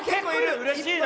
うれしいな。